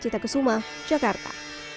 cita kesuma jakarta